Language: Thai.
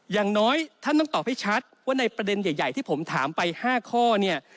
อย่างน้อยท่านต้องตอบให้ชัดว่าในประเด็นใหญ่ที่ผมถามไป๕ข้อเนี่ย